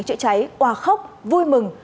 những người chữa cháy quà khóc vui mừng